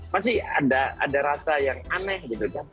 pasti ada rasa yang aneh gitu kan